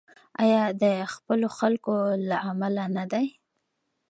آیا د خپلو خلکو له امله نه دی؟